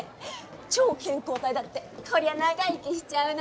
超健康体だってこりゃ長生きしちゃうな！